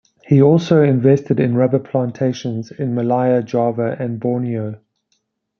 He also invested in rubber plantations in Malaya, Java and Borneo.